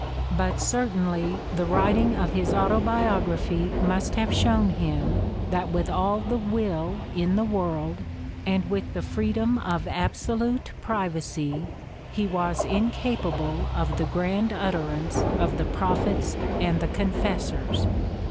But certainly the writing of his Autobiography must have shown him that with all the will in the world, and with the freedom of abso Mustered Out 255 lute privacy, he was incapable of the grand utterance of the prophets and the confessors.